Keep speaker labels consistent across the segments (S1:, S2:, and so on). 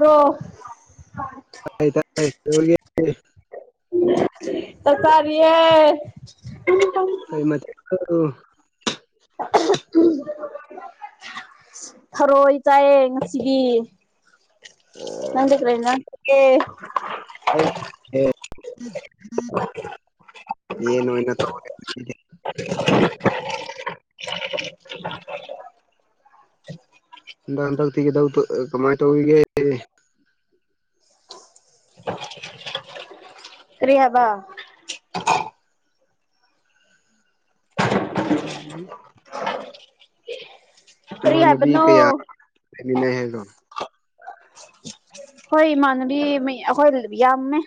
S1: ꯔꯣ
S2: ꯇꯥꯏ ꯇꯥꯏ [unintelligible]
S1: ꯆꯥꯛ ꯆꯥꯔꯤ ꯌꯦ
S2: ꯀꯩ ꯃꯊꯦꯜꯅꯣ
S1: [unintelligible] ꯊꯔꯣꯏ ꯆꯥꯏꯌꯦ ꯉꯁꯤꯒꯤ
S2: ꯑꯣ
S1: ꯅꯪꯗꯤ [unintelligible]
S2: ꯎꯝ
S1: [unintelligible]
S2: ꯌꯦꯟ ꯑꯣꯏꯅ ꯇꯧꯔꯦ [unintelligible] [unintelligible] ꯍꯟꯗꯛꯇꯤ [unintelligible] ꯀꯃꯥꯏꯅ ꯇꯧꯔꯤꯒꯦ
S1: ꯀ꯭ꯔꯤ ꯍꯥꯏꯕ
S2: [unintelligible]
S1: ꯀꯔꯤ
S2: ꯅꯃꯥꯟꯅꯕꯤ
S1: ꯍꯥꯏꯕꯅꯣ
S2: ꯀꯌꯥ ꯂꯩꯃꯤꯟꯅꯩ ꯍꯥꯏꯕ꯭ꯔꯣ
S1: ꯍꯣꯏ ꯏꯃꯥꯟꯅꯕꯤ ꯑꯩꯈꯣꯏ ꯌꯥꯝꯃꯦ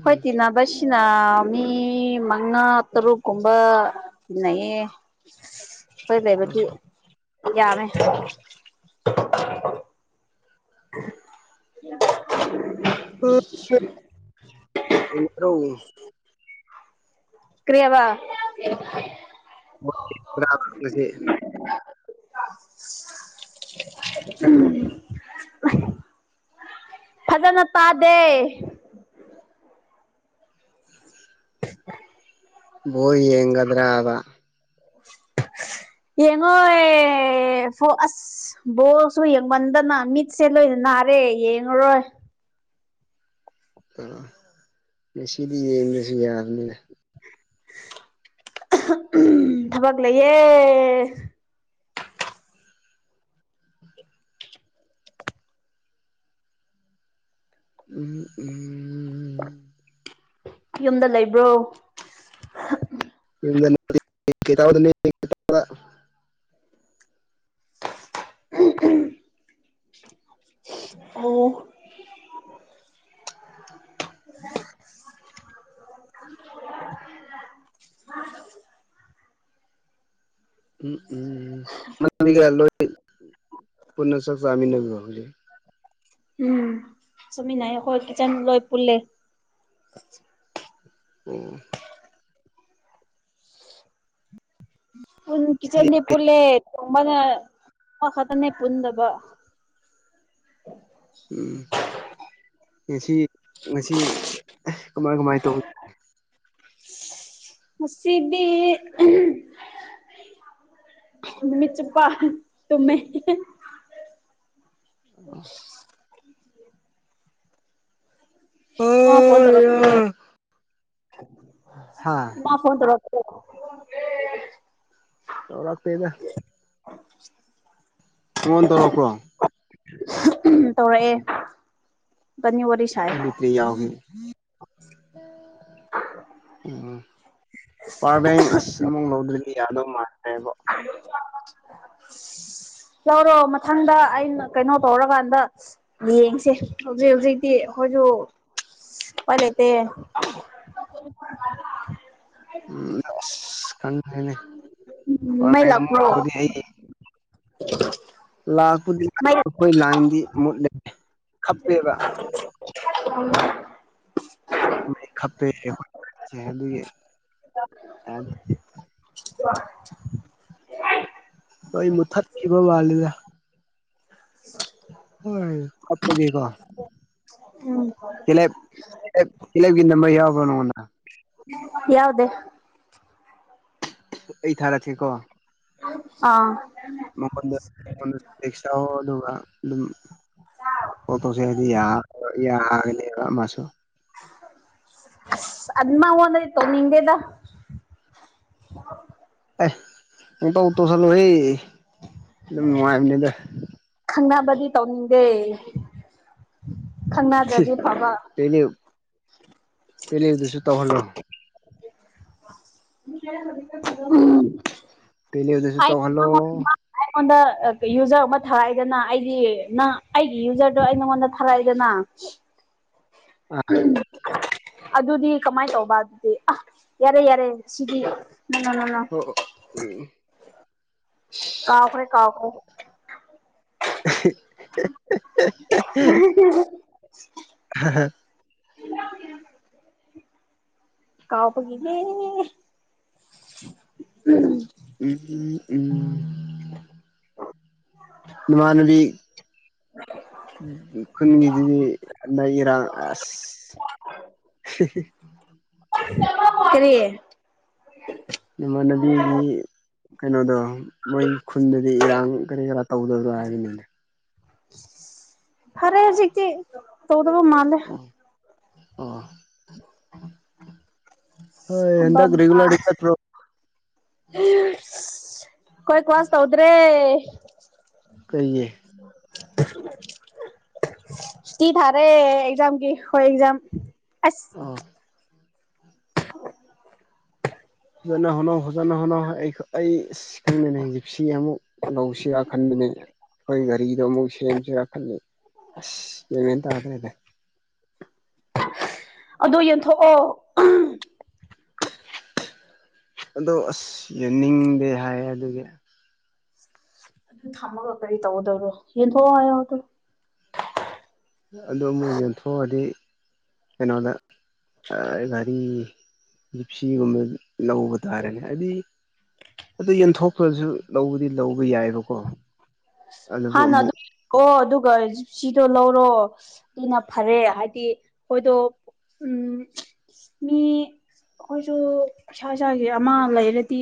S1: ꯈꯣꯏ ꯇꯤꯟꯅꯕ ꯁꯤꯅ ꯃꯤ ꯃꯉꯥ ꯇꯔꯨꯛꯀꯨꯝꯕ ꯇꯤꯟꯅꯩꯌꯦ [unintelligible] ꯍꯣꯏ ꯂꯩꯕꯗꯤ ꯌꯥꯝꯃꯦ [unintelligible]
S2: ꯔꯣ
S1: ꯀ꯭ꯔꯤꯌꯥꯕ
S2: ꯁꯤꯦ
S1: ꯎꯝ ꯐꯖꯅ ꯇꯥꯗꯦ [unintelligible]
S2: ꯌꯦꯒꯗ꯭ꯔꯥꯕ
S1: [inaudible] ꯌꯦꯡꯉꯣꯏ ꯑꯁ ꯕꯣꯔꯁꯨ ꯌꯦꯡꯃꯟꯗꯅ ꯃꯤꯠꯁꯦ ꯂꯣꯏ ꯅꯔꯦ ꯌꯦꯉꯨꯔꯣ
S2: ꯑꯥ ꯉꯁꯤꯗꯤ ꯌꯦꯡꯗꯁꯨ ꯌꯥꯔꯅꯤ
S1: ꯊꯕꯛ ꯂꯩꯌꯦꯦ
S2: ꯎꯝ ꯎꯝ
S1: ꯌꯨꯝꯗ ꯂꯩꯕ꯭ꯔꯣ
S2: [unintelligible]
S1: ꯑꯣ
S2: [inaudible] ꯎꯝ ꯎꯝꯂ ꯄꯨꯟꯅ ꯆꯥꯛꯆꯃꯤꯟꯅꯕ꯭ꯔꯣ ꯉꯁꯤ
S1: ꯁꯨꯃꯤꯅꯥꯥꯏ ꯑꯩꯈꯣꯏ ꯀꯆꯦꯟ ꯂꯣꯏ ꯄꯨꯂꯦ
S2: ꯑꯣ
S1: ꯀꯤꯆꯟꯅꯦ ꯄꯨꯜꯂꯦ ꯇꯨꯝꯅ ꯈꯛꯇꯅꯦ ꯄꯨꯟꯗꯕ [inaudible]
S2: ꯎꯝ ꯉꯁꯤ ꯉꯁꯤ ꯀꯃꯥꯏ ꯀꯃꯥꯏ ꯇꯧ
S1: ꯉꯁꯤꯗꯤ ꯅꯨꯃꯤꯠ ꯆꯨꯞꯄꯥ ꯇꯨꯝꯃꯦ [inaudible] ꯃꯥ ꯐꯣꯟ ꯇꯧꯔꯛ
S2: ꯍꯥ
S1: ꯃꯥ ꯐꯣꯟ ꯇꯧꯔ ꯑꯣ
S2: ꯇꯧꯔꯛꯇꯦꯗ
S1: ꯍ [inaudible]
S2: ꯅꯪꯉꯣꯟꯗ ꯇꯧꯔꯛꯄ꯭ꯔꯣ
S1: ꯇꯧꯔꯛꯑꯦ ꯏꯕꯥꯅꯤ ꯋꯥꯔꯤ ꯁꯥꯏ
S2: ꯑꯩꯕꯤꯇ꯭꯭ꯔ ꯌꯥꯎꯒꯦ ꯎꯝ ꯄꯋꯥꯔ ꯕꯦꯡ ꯑꯁ ꯑꯃꯨꯧꯛ ꯂꯧꯗ꯭ꯣꯏꯅꯦ ꯌꯥꯗꯧ ꯃꯥꯁꯦꯕꯣ
S1: [inaudible] ꯂꯧꯔꯣ ꯃꯊꯪꯗ ꯑꯩꯅ ꯀꯩꯅꯣ ꯇꯧꯔꯀꯥꯟꯗ ꯌꯦꯡꯁꯦ ꯍꯧꯖꯤꯛ ꯍꯧꯖꯤꯛꯇꯤ ꯑꯩꯈꯣꯏꯁꯨ ꯎꯄꯥꯏ ꯂꯩꯇꯦ
S2: ꯎꯝ ꯑꯁ ꯈꯪꯗ꯭ꯔꯦꯅꯦ ꯄꯔ
S1: ꯃꯩ
S2: ꯑꯃꯨꯛ
S1: ꯂꯥꯛꯄ꯭ꯔꯣ
S2: ꯂꯧꯗꯤ ꯍꯥꯏꯌꯦ
S1: [inaudible]
S2: ꯂꯥꯛꯄꯨꯗꯤ
S1: ꯃꯩ
S2: ꯑꯩꯈꯣꯏ ꯂꯥꯏꯟꯗꯤ ꯃꯨꯠꯂꯦ ꯈꯞꯄꯦꯕ
S1: [inaudible]
S2: ꯃꯩ ꯈꯞꯄꯦ ꯑꯗꯨꯒꯤ
S1: [inaudible]
S2: ꯃꯩ ꯃꯨꯊꯠꯈꯤꯕ ꯃꯥꯂꯦꯗ ꯍꯣꯏ ꯀꯠꯄꯒꯤꯀꯣ ꯀꯦꯂꯦꯞ ꯀꯦꯂꯦꯞꯀꯤ ꯅꯝꯕꯔ ꯌꯥꯎꯕ꯭ꯔꯣ ꯅꯉꯣꯟꯗ
S1: ꯌꯥꯎꯗꯦ
S2: ꯑꯩ ꯊꯥꯔꯛꯀꯦꯀꯣ
S1: ꯑꯥ
S2: ꯃꯣꯟꯗꯁꯥ ꯑꯗꯨꯒꯧꯕ ꯑꯗꯨꯝ ꯑꯣꯠꯇꯣꯁꯦ ꯍꯥꯏꯗꯤ ꯌꯥꯒ ꯃꯥꯁꯨ
S1: ꯑꯁ ꯃꯉꯣꯟꯗꯗꯤ ꯇꯧꯅꯤꯡꯗꯦꯗ [unintelligible]
S2: ꯑꯦ ꯄꯨꯡꯇꯧꯎ ꯇꯧꯁꯤꯜꯂꯨꯍꯦ ꯗꯨꯝ ꯅꯨꯡꯉꯥꯏꯕꯅꯤꯗ
S1: ꯈꯪꯅꯕꯗꯤ ꯇꯧꯅꯤꯡꯗꯦ ꯈꯪꯅꯗꯗꯤ ꯐꯕ [inaudible]
S2: ꯄꯦꯜꯂꯤꯗꯁꯨ ꯇꯧꯍꯂꯣ
S1: ꯎꯝ
S2: ꯄꯦꯂꯦꯗꯨꯁꯨ ꯇꯧꯍꯜꯂꯣ
S1: [unintelligible] ꯑꯩꯉꯣꯟꯗ ꯌꯨꯖꯔ ꯑꯃ ꯊꯥꯔꯛꯑꯏꯗꯅ ꯑꯩꯒꯤ ꯅꯪ ꯑꯩꯒꯤ ꯌꯨꯖꯔꯗꯣ ꯑꯩ ꯅꯉꯣꯟꯗ ꯊꯥꯔꯛꯑꯏꯗꯅ [inaudible]
S2: ꯑꯥ
S1: ꯑꯗꯨꯗꯤ ꯀꯃꯥꯏꯅ ꯇꯧꯕ ꯑꯗꯨꯗꯤ ꯑ ꯌꯥꯔꯦ ꯌꯥꯔꯦ ꯁꯤꯗꯤ ꯅꯪ ꯅꯪ
S2: ꯍꯣ ꯎꯝ
S1: ꯀꯥꯎꯈ꯭ꯔꯦ ꯀꯥꯎꯈ꯭ꯔꯦ ꯎ
S2: ꯍꯥ ꯍꯥ
S1: [inaudible] ꯀꯥꯎꯄꯒꯤꯅꯦ
S2: ꯎꯝ ꯎꯝ ꯎꯝ ꯃꯅꯕꯤ ꯈꯨꯟꯒꯤꯗꯨꯗꯤ ꯏꯔꯥꯡ ꯑꯁ [unintelligible]
S1: ꯀꯔꯤꯌꯦ
S2: ꯏꯃꯥꯟꯅꯕꯤꯒꯤ ꯀꯩꯅꯣꯗꯣ ꯃꯣꯏ ꯈꯨꯟꯗꯗꯤ ꯏꯔꯥꯡ ꯀꯔꯤ ꯀꯔꯥ ꯇꯧꯗꯕꯔꯣ ꯍꯥꯏꯕꯅꯤꯅꯦ
S1: ꯐꯔꯦ ꯍꯧꯖꯤꯛꯇ ꯇꯧꯗꯕꯨ ꯃꯥꯥꯡꯂ
S2: ꯑ
S1: [unintelligible]
S2: ꯍꯣꯏ ꯍꯟꯗꯛ
S1: ꯑꯝꯕꯝꯕ
S2: ꯔꯤꯒꯨꯂꯔꯗꯤ ꯆꯠꯄ꯭ꯔꯣ
S1: ꯑꯩꯣꯏ ꯀ꯭ꯋꯥꯁ ꯇꯧꯗ꯭ꯔꯦ
S2: ꯀꯜꯦ
S1: ꯇ ꯊꯔꯦ ꯑꯦꯖꯝ ꯀ ꯍꯣꯏ ꯑꯦꯖꯝ ꯑꯁ
S2: ꯑꯥ ꯍꯖꯥꯅ ꯍꯨꯅ ꯍꯣꯖꯅ ꯍꯨꯅ ꯑꯩ ꯑꯩ ꯁꯤ ꯈꯪꯗꯅꯦ ꯞꯁꯤ ꯑꯃꯨꯛ ꯂꯧꯁꯤꯔ ꯈꯟꯕꯅꯦ ꯑꯩꯈꯣꯏ ꯒꯥꯔꯤꯗꯣ ꯑꯃꯨꯛ ꯁꯦꯝꯁꯤꯔ ꯈꯜꯂꯤꯂ ꯑꯁ ꯄꯦꯃꯦꯟ ꯇꯥꯗ꯭ꯔꯦꯗ
S1: [unintelligible] ꯑꯗꯨꯣ ꯌꯦꯟꯊꯣꯛꯑꯣ
S2: ꯑꯗꯣ ꯑꯁ ꯌꯦꯡꯅꯤꯡꯗꯦ ꯍꯥꯏꯌꯦ ꯑꯗꯨꯒꯤ
S1: ꯑꯗꯨ ꯊꯝꯃꯒ ꯀꯔꯤ ꯇꯧꯒꯗꯧꯔꯣ ꯌꯦꯟꯊꯣꯛꯑꯣ ꯍꯥꯏꯌꯣꯗ
S2: ꯑꯗꯨ ꯑꯃꯨꯛ ꯌꯦꯟꯊꯣꯛꯑꯗꯤ ꯀꯩꯅꯣꯗ ꯔꯤ ꯖꯤꯞꯁꯤꯒꯨꯝꯕ ꯂꯧꯕ ꯇꯥꯔꯦꯅꯦ ꯍꯥꯏꯗꯤ ꯑꯗꯨ ꯌꯦꯟꯊꯣꯛꯈ꯭ꯔꯁꯨ ꯂꯧꯕꯗꯤ ꯂꯧꯕ ꯌꯥꯏꯕꯀꯣ ꯑꯗꯨꯕꯨ
S1: ꯍꯥꯟ ꯅ ꯑꯗꯨ
S2: ꯑꯃꯨꯛ
S1: ꯑꯣ ꯑꯗꯨ ꯀꯖ ꯁꯤꯗꯣ ꯂꯧꯔꯣ ꯑꯗꯨꯅ ꯐꯔꯦ ꯍꯥꯏꯗꯤ ꯍꯣꯏꯗꯣ ꯎꯝ ꯃꯤ ꯑꯩꯈꯣꯏꯁꯨ ꯏꯁꯥ ꯏꯁꯥꯒꯤ ꯑꯃ ꯂꯩꯔꯗꯤ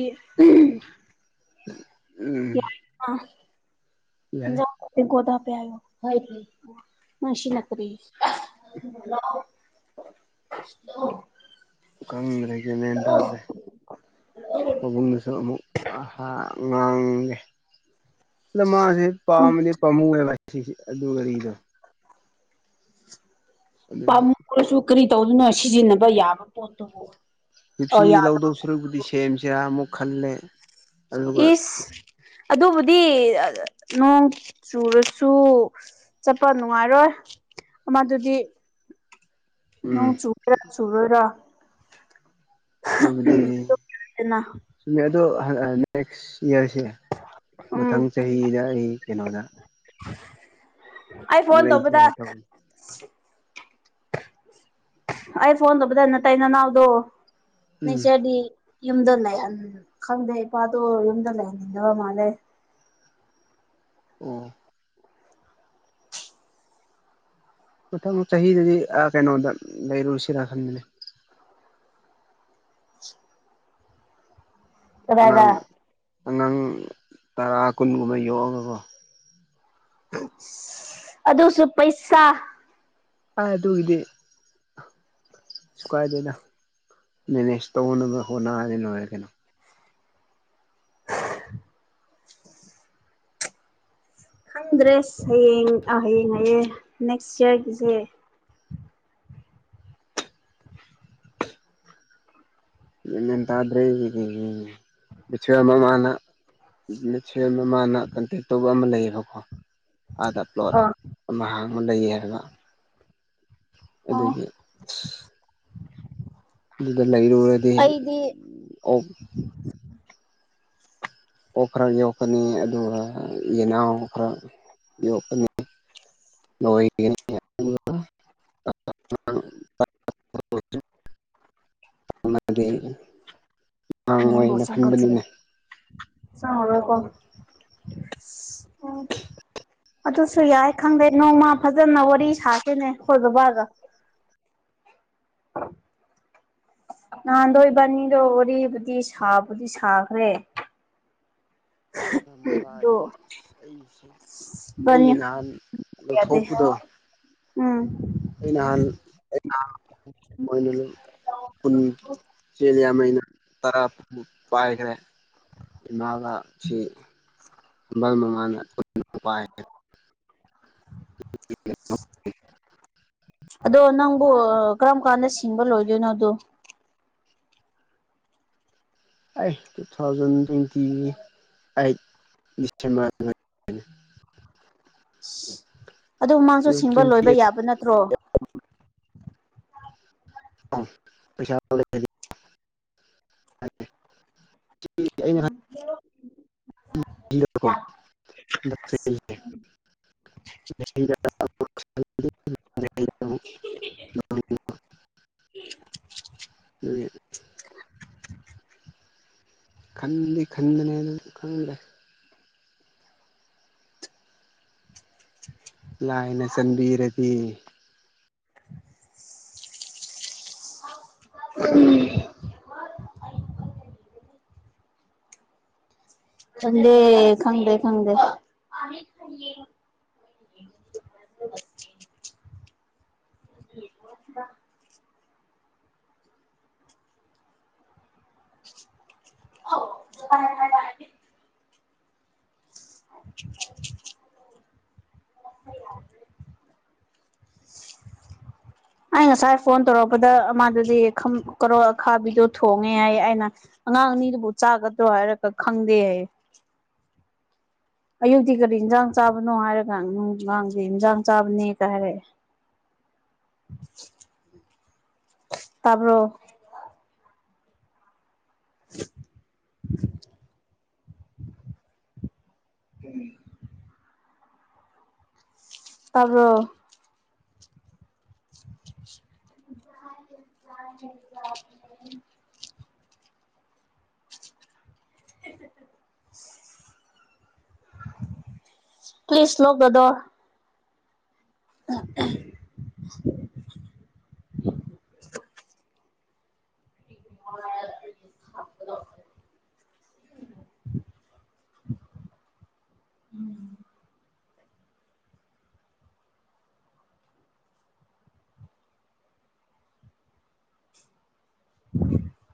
S2: ꯎꯝ
S1: ꯌꯥ
S2: ꯌꯥꯏ
S1: ꯀꯣꯗ ꯃꯟꯁꯤ ꯅꯀꯔꯤ [inaudible] [unintelligible]
S2: ꯀꯪꯗ꯭ꯔꯒꯦ ꯃꯦꯟ ꯇꯥꯗ꯭ꯔꯦ ꯄꯥꯕꯨꯡꯅꯁꯨ ꯑꯃꯨꯛ ꯉꯡ ꯉꯥꯡꯉꯦ ꯂꯃꯥꯁꯦ ꯄꯥꯝꯃꯗꯤ ꯄꯥꯝꯃꯨꯑꯕ ꯁꯤꯁ ꯑꯗꯨꯒꯔꯤꯗꯣ ꯑꯗꯨꯒꯤ
S1: ꯄꯥꯝꯃꯨꯔꯁꯨ ꯀꯔꯤ ꯇꯧꯗꯣꯏꯅꯣ ꯁꯤꯖꯤꯟꯅꯕ ꯌꯥꯕ ꯄꯣꯠꯇꯨꯕꯨ ꯑ
S2: ꯞꯁꯤ
S1: ꯌꯥꯗꯕ ꯄꯣꯠꯇꯨꯕꯨ
S2: ꯂꯧꯗꯧꯁꯤꯨꯔꯕꯨꯗꯤ ꯁꯦꯝꯁꯤꯔꯥ ꯑꯃꯨꯛ ꯈꯜꯂꯦ ꯑꯗꯨꯒ
S1: ꯏꯁ ꯑꯗꯨꯕꯨꯗꯤ ꯅꯣꯡ ꯆꯨꯔꯁꯨ ꯆꯠꯄ ꯅꯨꯡꯉꯥꯏꯔꯣꯏ ꯑꯃꯗꯨꯗꯤ ꯅꯣꯡ
S2: ꯎꯝ
S1: ꯆꯨꯣꯏꯔꯥ ꯆꯨꯔꯣꯏꯔꯣ
S2: ꯗ
S1: ꯗꯅ
S2: ꯑꯗꯣ ꯅꯦꯛꯁꯔꯁꯦ
S1: ꯎꯝ
S2: ꯃꯊꯪ ꯆꯍꯤꯗ ꯑꯩ ꯀꯩꯅꯣꯗ
S1: ꯑꯩ ꯐꯣꯟ ꯇꯄꯗ
S2: ꯂꯩꯁꯤꯔ ꯇꯧꯕꯅꯤ
S1: ꯑꯩ ꯐꯣꯟ ꯇꯧꯕꯗ ꯅ ꯇꯥꯏ ꯅꯅꯥꯎꯗꯣ
S2: ꯎꯝ
S1: ꯅꯆꯔꯗꯤ ꯌꯨꯝꯗ ꯂꯩꯍꯟ ꯈꯪꯗꯦ ꯏꯄꯥꯗꯣ ꯌꯨꯝꯗ ꯂꯩꯍꯟꯅꯤꯡꯗꯕ ꯃꯥꯜꯂꯦ
S2: ꯑꯣ ꯃꯊꯪ ꯆꯍꯤꯗꯗꯤ ꯑ ꯀꯩꯅꯣꯗ ꯂꯩꯔꯨꯁꯤꯔꯥ ꯈꯟꯕꯅꯦ
S1: ꯀꯗꯥꯏꯗ
S2: ꯑꯉꯥꯡ ꯑꯉꯥꯡ ꯇꯔꯥ ꯀꯨꯟꯒꯨꯝꯕ ꯌꯣꯛꯑꯒꯀꫭ
S1: ꯑꯗꯨꯁꯨ ꯄꯩꯁꯥ
S2: ꯑꯗꯨꯒꯤꯗꯤ ꯁꯨ ꯀꯥꯏꯗꯦꯗ ꯃꯦꯅꯦꯖ ꯇꯧꯅꯕ ꯍꯣꯠꯅ꯭ꯔꯅꯤ ꯂꫭꯏꯔꯦ ꯀꯩꯅꫭ
S1: ꯈꯪꯗ꯭ꯔꯦꯁ ꯍꯌꯦꯡ ꯑ ꯍꯌꯦꯡ ꯍꯥꯏꯌꯦ ꯅꯦꯛꯁ ꯏꯌ꯭ꯔꯒꯤꯖꯦ
S2: ꯌꯥꯟ ꯄꯦꯟ ꯇꯥꯗꯔꯦ ꯑꯩꯉꯤꯗꯤ ꯕꯤꯠꯁꯨ ꯌꯥꯝ ꯃꯃꯥꯡꯗ [unintelligible] ꯁꯦꯝꯕ ꯃꯥꯅ ꯀꯟꯇꯦꯛ ꯇꯧꯕ ꯑꯃ ꯂꯩꯌꯦꯕꯀꯣ ꯑꯥꯗ ꯄ꯭ꯂꯣꯠ
S1: ꯑ
S2: ꯑꯃ ꯍꯥꯡꯉ ꯂꯩꯌꯦ ꯍꯥꯏꯕ
S1: ꯑꯣ
S2: ꯑꯗꯨꯉꯤ ꯑꯁ ꯑꯗꯨꯗ ꯂꯩꯔꯨꯔꯗꯤ
S1: ꯑꯩꯗꯤ
S2: ꯎꯝ ꯑꫭꯛ ꯑꯣꯛ ꯈꯔ ꯌꯣꯛꯀꯅꯤ ꯑꯗꯨꯒ ꯌꯦꯅꯥꯎ ꯈꯔ ꯌꯣꯛꯀꯅꯤ [inaudible] [unintelligible]
S1: [inaudible] [unintelligible]
S2: ꯗꯒꯤ [inaudible] [unintelligible] ꯉꯥꯡꯋꯥꯏꯅ ꯍꯟꯕꯅꯤꯅ
S1: ꯆꯥꯏ ꯔꯦꯀꫭ ꯑꯁ ꯑ ꯑꯗꯨꯁꯨ ꯌꯥꯏ ꯈꯪꯗꯦ ꯅꯣꯡꯃ ꯐꯖꯅ ꯋꯥꯔꯤ ꯁꯥꯁꯤꯅꯦ ꯑꯩꯈꯣꯏ ꯕꯕꯥꯒ ꯑ [unintelligible] ꯅꯍꯥꯟꯗꯣ ꯏꯕꯥꯏꯅꯤꯗꯣ ꯋꯥꯔꯤꯕꯨꯗꯤ ꯁꯥꯕꯨꯗꯤ ꯁꯥꯈ꯭ꯔꯦ
S2: ꯑꯃꯨꯛ
S1: [inaudible]
S2: ꯂꯥꯛꯑꯗꯤ ꯑꯁ
S1: [unintelligible]
S2: ꯑꯩꯁꯦ
S1: ꯎꯝ
S2: ꯑꯩ ꯅꯍꯥꯟ
S1: ꯑꯗꫭ ꯏꯕꯥꯏ
S2: ꯂꯧꯊꯣꯛꯄꯗꯣ
S1: [inaudible] ꯌꯥꯗꯦ
S2: ꯑꯩ ꯅꯍꯥꯟ
S1: ꯎꯝ
S2: [unintelligible] [inaudible] ꯇꯔꯥ ꯀꯨꯟꯃꯨꯛ ꯄꯥꯏꯉ꯭ꯔꯦ ꯇꯤꯅꯥꯜꯂꯁꯤ ꯃꯜ ꯅꯨꯡꯉꯥꯏꯅ [inaudible] ꯄꯥꯏꯉ꯭ꯔꯦ
S1: [unintelligible] [inaudible] ꯑꯗꯣ ꯅꯪꯕꯨ ꯀꯔꯝ ꯀꯥꯟꯗ ꯁꯤꯡꯕ ꯂꯣꯏꯗꯣꯏꯅꯣꯗꯨ
S2: ꯑꯩ ꯇꯨ ꯊꯥꯎꯖꯟ ꯇꫭꯏ꯭ꯟꯇꯤꯒꯤ ꯑꯩꯠ ꯗꯤꯁꯦꯝꯕꯔ ꯑꯗꯨ꯭ꯋꯥꯏ ꯂꯩꯅꯤ
S1: ꯁꯤ ꯑꯗꯨ ꯃꯥꯖꯨ ꯁꯤꯡꯕ
S2: ꯇ꯭ꯋꯦꯟꯇꯤ
S1: ꯂꯣꯏꯕ
S2: ꯑꯩꯠ
S1: ꯌꯥꯕ ꯅꯠꯇ꯭ꯔꯣ
S2: ꯑ ꯄꯩꯁꯥ ꯂꯩ ꯔꯗꯤ [unintelligible] [inaudible] ꯁꯤꯗ ꯀꫭ ꯈꯟꯖꯛ ꯆꯍꯤꯖꯦ [unintelligible] [inaudible]
S1: [unintelligible] [inaudible]
S2: ꯑ [inaudible] [unintelligible] ꯈꯟꯗꯤ ꯈꯟꯕꯅꯦꯗꯨ ꯈꯪꯗꯦ ꯂꯥꯏꯅ ꯆꯟꯕꯤꯔꯗꯤ
S1: ꯆꯟꯗꯦ ꯈꯪꯗꯦ ꯈꯪꯗꯦ ꯑꯩ ꯉꯁꯥꯏ ꯐꯣꯟ ꯇꯧꯔꯛꯄꯗ ꯃꯥꯗꯨꯗꯤ ꯈꯝ ꯀꯔꯣꯛ ꯑꯈꯥꯕꯤꯗꯣ ꯊꯣꯡꯉꯦ ꯍꯥꯏꯑꯦ ꯑꯩꯅ ꯑꯉꯥꯡ ꯑꯅꯤꯗꯨꯕꯨ ꯆꯥꯒꯗ꯭ꯔꯣ ꯍꯥꯏꯔꯒ ꯈꯪꯗꯦ ꯌꯦ ꯑꯌꯨꯛꯇꯤ ꯀꯔꯤ ꯏꯟꯖꯥꯡ ꯆꯥꯕꯅꯣ ꯍꯥꯏꯔꯒ ꯅꯨꯡꯗꯥꯡꯗꯤ ꯏꯟꯖꯥꯡ ꯆꯥꯕꯅꯦ ꯀ ꯍꯥꯏꯔꯛꯑꯦ ꯇꯕ꯭ꯔꫭ [unintelligible] [inaudible] ꯎꯝ ꯇꯥꯕ‌꯭‍‌ꯔꫭ [unintelligible] [inaudible] ꯄꯂꯤꯁ ꯂꫭꯛ ꯗ ꯗꯣꯔ ꯑ [inaudible] [unintelligible] [unintelligible] [inaudible] ꯎꯝ [inaudible] ꯎ [inaudible]